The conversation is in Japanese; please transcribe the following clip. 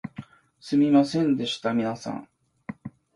すみませんでした皆さん